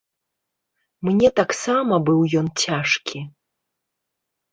Мне таксама быў ён цяжкі.